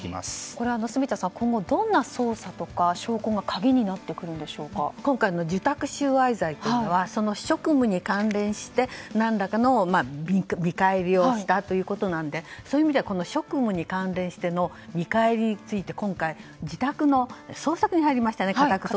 これは、住田さん今後どんな捜査とか証拠が今回、受託収賄罪というのは職務に関連して何らかの見返りをしたということなのでそういう意味では職務に関連しての見返りということで自宅の家宅捜索に入りましたね。